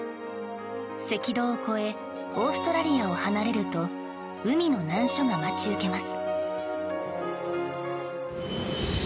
赤道を越えオーストラリアを離れると海の難所が待ち受けます。